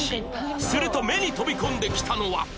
すると目に飛び込んできたのは